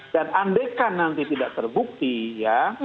dan andekan nanti tidak terbukti ya